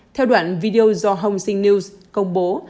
theo đoạn video do hongxin news công bố